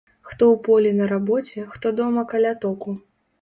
Хто ў полі на рабоце, хто дома каля току.